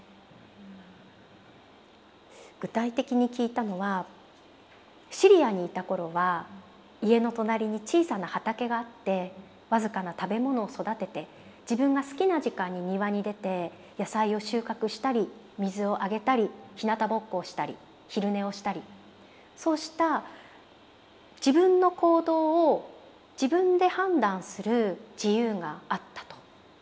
具体的に聞いたのはシリアにいた頃は家の隣に小さな畑があって僅かな食べ物を育てて自分が好きな時間に庭に出て野菜を収穫したり水をあげたりひなたぼっこをしたり昼寝をしたりそうした自分の行動を自分で判断する自由があったと。